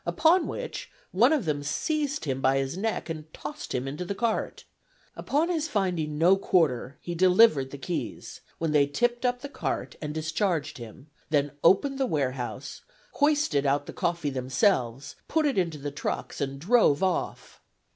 Upon which one of them seized him by his neck, and tossed him into the cart. Upon his finding no quarter, he delivered the keys, when they tipped up the cart and discharged him; then opened the warehouse, hoisted out the coffee themselves, put it into the trucks, and drove off.